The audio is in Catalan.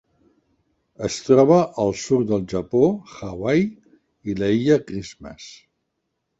Es troba al sud del Japó, Hawaii i l'Illa Christmas.